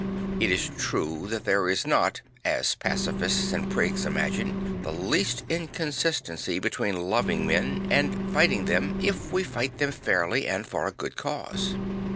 It is true that there is not, 52 St. Francis of Assisi as pacifists and prigs imagine, the least inconsist ency between loving men and fighting them, if we fight them fairly and for a good cause.